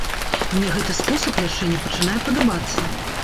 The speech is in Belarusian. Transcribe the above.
Мне гэты спосаб лячэння пачынае падабацца.